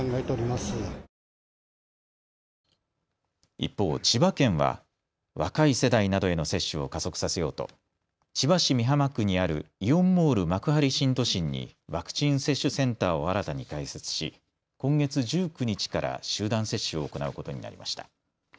一方、千葉県は若い世代などへの接種を加速させようと千葉市美浜区にあるイオンモール幕張新都心にワクチン接種センターを新たに開設し今月１９日から集団接種を行うことになりました。